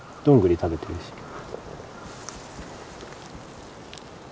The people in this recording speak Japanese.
どんぐり食べてるし。